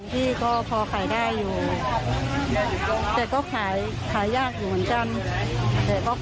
พี่ก็พอขายได้อยู่แต่ก็ขายขายยากอยู่เหมือนกัน